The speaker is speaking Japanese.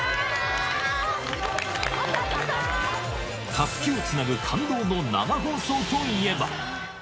たすきをつなぐ感動の生放送といえば。